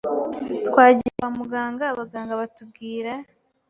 twagiye kwa muganga abaganga batubwira